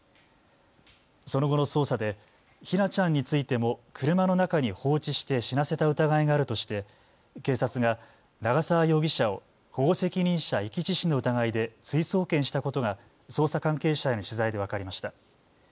その後の捜査で姫梛ちゃんについても車の中に放置して死なせた疑いがあるとして警察が長澤容疑者を保護責任者遺棄致死の疑いで追送検したことが捜査関係者への取材で分かりました。